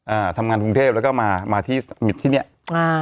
อ่าทำงานกรุงเทพแล้วก็มามาที่มิตรที่เนี้ยอ่า